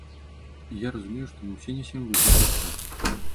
І я разумею, што мы ўсе нясем вось гэтыя страты.